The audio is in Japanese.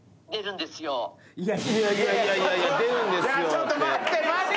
ちょっと待って待って。